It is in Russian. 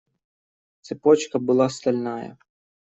Цепочка была стальная.